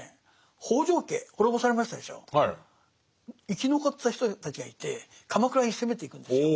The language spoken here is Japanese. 生き残ってた人たちがいて鎌倉に攻めていくんですよ。